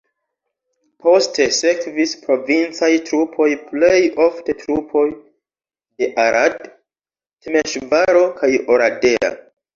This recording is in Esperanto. Poste sekvis provincaj trupoj plej ofte trupoj de Arad, Temeŝvaro kaj Oradea.